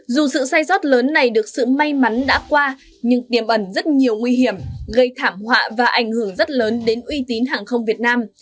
dù sự sai sót lớn này được sự may mắn đã qua nhưng tiềm ẩn rất nhiều nguy hiểm gây thảm họa và ảnh hưởng rất lớn đến uy tín hàng không việt nam